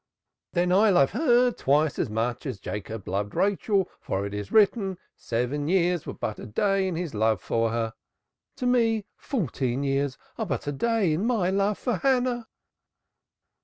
"Then I love her twice as much as Jacob loved Rachel for it is written 'seven years were but as a day in his love for her.' To me fourteen years are but as a day in my love for Hannah."